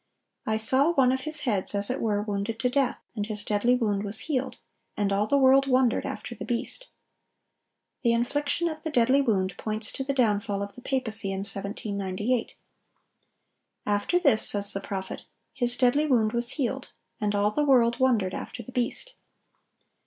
"I saw one of his heads as it were wounded to death; and his deadly wound was healed: and all the world wondered after the beast."(1018) The infliction of the deadly wound points to the downfall of the papacy in 1798. After this, says the prophet, "His deadly wound was healed: and all the world wondered after the beast."